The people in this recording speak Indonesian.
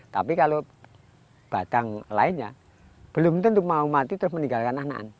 tapi kalau batang lainnya belum tentu mau mati terus meninggalkan anaan